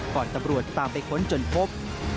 ก่อนตำรวจจะตามไปค้นจนพบ